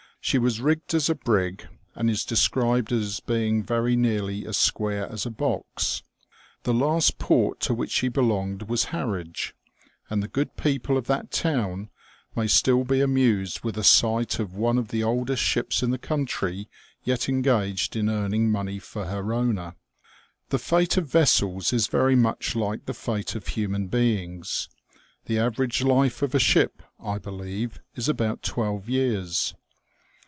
She was rigged as a brig, and is described as being very nearly as square as a box. The last port to which she belonged was Harwich, and the good people of that town may still be amused with a sight of one of the oldest ships in the country yet engaged in earning money for her owner. The fate of vessels is very much like the fate of human beings. The average life of a ship, I believe, is about twelve years.